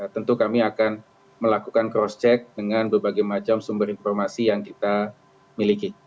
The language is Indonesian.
tentu kami akan melakukan cross check dengan berbagai macam sumber informasi yang kita miliki